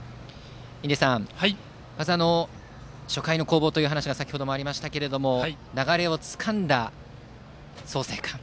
印出さん、初回の攻防という話が先程もありましたが流れをつかんだ創成館。